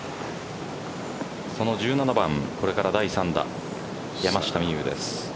１７番、これから第３打山下美夢有です。